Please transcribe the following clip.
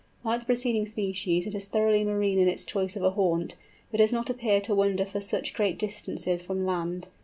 Like the preceding species it is thoroughly marine in its choice of a haunt, but does not appear to wander for such great distances from land.